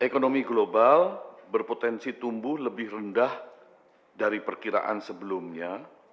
ekonomi global berpotensi tumbuh lebih rendah dari perkiraan sebelumnya